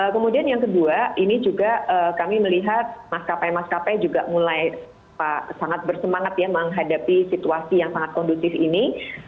kemudian yang kedua ini juga kami melihat maskapai maskapai juga mulai sangat bersemangat ya menghadapi situasi yang sangat kondusif ini